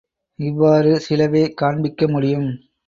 இவ்வாறு சிலவே காண்பிக்க முடியும்.